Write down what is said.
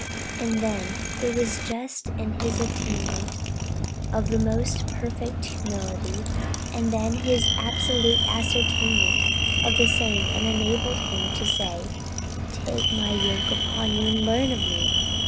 And, then, it was just His attainment of the most perfect humility, and then His absolute ascertainment of the same, that enabled Him to say: Take My yoke upon you and learn of Me.